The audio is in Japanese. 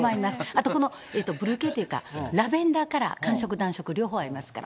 あとこのブルー系というか、ラベンダーカラー、寒色、暖色、両方合いますから。